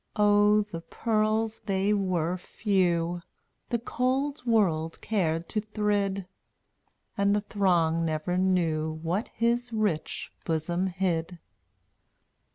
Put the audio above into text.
Oh, the pearls they were few The cold world cared to thrid, And the throng never knew What his rich bosom hid.